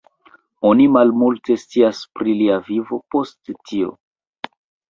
Oni malmulte scias pri lia vivo post tio.